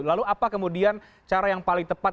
lalu apa kemudian cara yang paling tepat